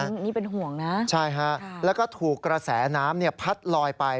นี่เป็นห่วงนะใช่ฮะแล้วก็ถูกกระแสน้ำพัดลอยไป